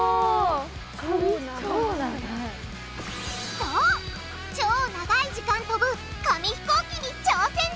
そう超長い時間飛ぶ紙ひこうきに挑戦だ！